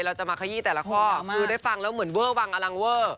เราจะมาขยี้แต่ละข้อคือได้ฟังแล้วเหมือนเวอร์วังอลังเวอร์